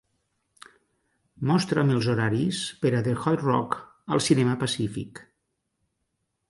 Mostra'm els horaris per a The Hot Rock al cinema Pacífic